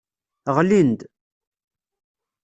Ɣlin-d.